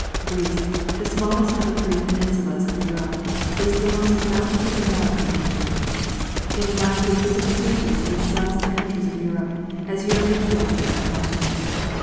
Greece, the smallest of the three peninsulas of Europe, is the most bountifully endowed by nature. In variety of physical features it excels the countries of Europe, as Europe excels the other continents.